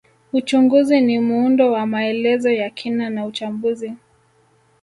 Uchunguzi ni muundo wa maelezo ya kina na uchambuzi